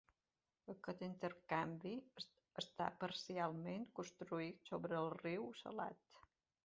Aquest intercanvi està parcialment construït sobre el riu salat.